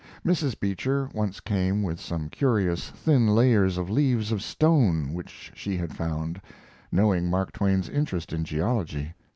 Mrs. Beecher once came with some curious thin layers of leaves of stone which she had found, knowing Mark Twain's interest in geology.